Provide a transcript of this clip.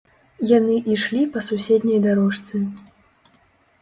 Яны ішлі па суседняй дарожцы.